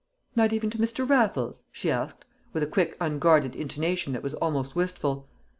"Not even to Mr. Raffles?" she asked, with a quick unguarded intonation that was almost wistful.